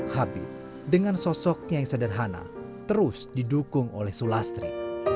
habib dengan sosoknya yang sederhana terus didukung oleh sulastri